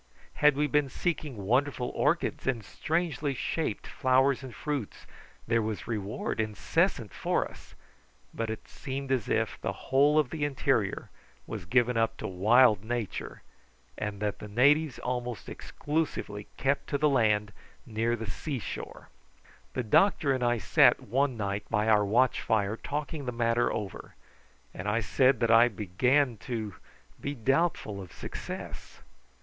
Had we been seeking wonderful orchids and strangely shaped flowers and fruits there was reward incessant for us, but it seemed as if the whole of the interior was given up to wild nature, and that the natives almost exclusively kept to the land near the sea shore. The doctor and I sat one night by our watch fire talking the matter over, and I said that I began to be doubtful of success.